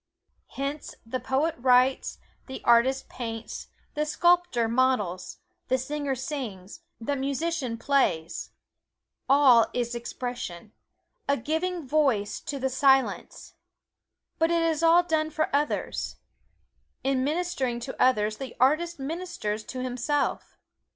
Hence the poet writes, the artist paints, the sculptor models, the singer sings, the musician plays all is expression a giving voice to the Silence. But it is all done for others. In ministering to others the artist ministers to himself.